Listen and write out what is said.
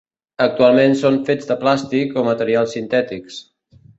Actualment són fets de plàstic o materials sintètics.